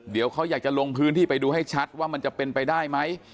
เดี๋ยวเขาอยากจะลงพื้นที่ไปดูให้ชัดว่ามันจะเป็นไปได้ไหม